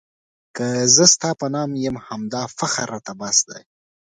که زه ستا په نام یم همدا فخر راته بس دی.